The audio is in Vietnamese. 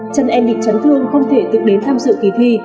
chân em bị chấn thương không thể tự đến tham dự kỳ thi